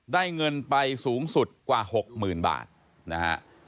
ได้เงินไปสูงสุดกว่า๖หมื่นบาทนะครับ